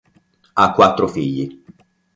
Ha quattro figli.